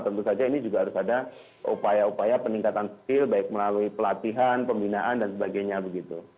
tentu saja ini juga harus ada upaya upaya peningkatan skill baik melalui pelatihan pembinaan dan sebagainya begitu